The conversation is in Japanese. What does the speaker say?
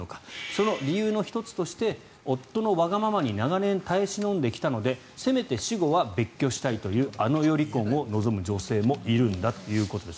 その理由の１つとして夫のわがままに長年耐え忍んできたのでせめて死後は別居したいというあの世離婚を望む女性もいるんだということです。